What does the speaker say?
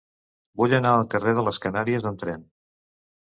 Vull anar al carrer de les Canàries amb tren.